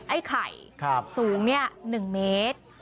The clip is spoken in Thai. ไอ้ไข่สูง๑เมตร